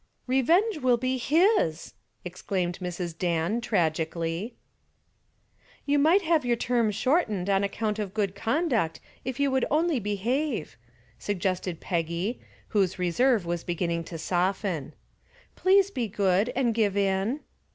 "Revenge will be his!" exclaimed Mrs. Dan, tragically. "You might have your term shortened on account of good conduct if you would only behave," suggested Peggy, whose reserve was beginning to soften. "Please be good and give in."